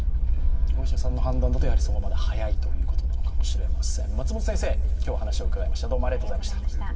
お医者さんの判断だと、まだ早いという判断なのかもしれません。